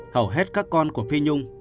hầu hết các con của phi nhung